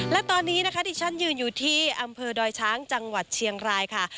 และตอนนี้นะคะที่ฉันยืนอยู่ที่อำเภอดอยช้างจังหวัดเชียงรายค่ะ